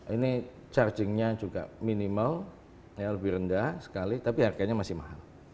ini chargingnya juga minimal lebih rendah sekali tapi harganya masih mahal